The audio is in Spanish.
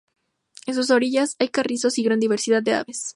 En sus orillas hay carrizos y gran diversidad de aves.